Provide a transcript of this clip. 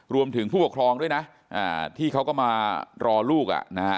รวมถึงผู้ปกครองด้วยนะที่เขาก็มารอลูก